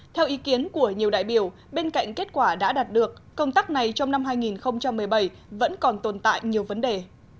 theo ý kiến của nhiều đại biểu bên cạnh kết quả đã đạt được công tác này trong năm hai nghìn một mươi bảy vẫn còn tồn tại nhiều vấn đề